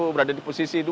berada di posisi dua